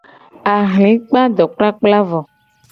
Ahli kpa dokplakpla vo.